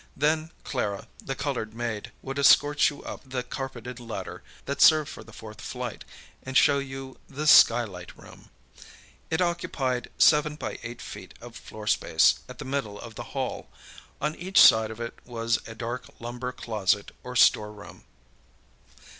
Then Clara, the coloured maid, would escort you up the carpeted ladder that served for the fourth flight, and show you the Skylight Room. It occupied 7×8 feet of floor space at the middle of the hall. On each side of it was a dark lumber closet or storeroom.